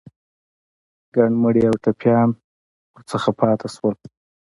ګڼ مړي او ټپيان ترې پاتې شول.